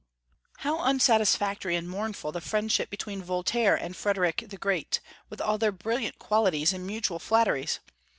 How unsatisfactory and mournful the friendship between Voltaire and Frederic the Great, with all their brilliant qualities and mutual flatteries!